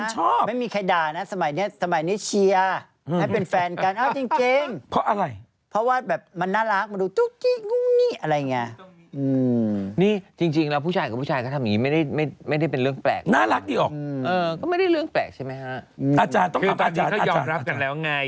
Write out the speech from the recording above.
ห้าห้าห้าห้าห้าห้าห้าห้าห้าห้าห้าห้าห้าห้าห้าห้าห้าห้าห้าห้าห้าห้าห้าห้าห้าห้าห้าห้า